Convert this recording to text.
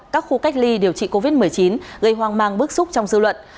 các khu cách ly điều trị covid một mươi chín gây hoang mang bước xúc trong dư luận